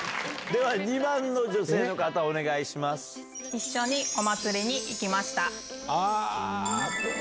では２番の女性の方、お願い一緒にお祭りに行きました。